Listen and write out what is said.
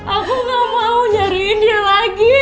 aku gak mau nyariin dia lagi